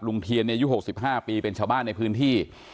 ลุงเทียนเนี่ยยุคหกสิบห้าปีเป็นชาวบ้านในพื้นที่